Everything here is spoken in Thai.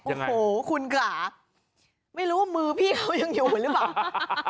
โอ้โหคุณค่ะไม่รู้ว่ามือพี่เขายังอยู่หรือเปล่า